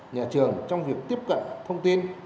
nhà trường trong việc tiếp cận thông tin